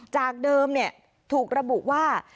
จากเดิมเนี่ยถูกระบุว่า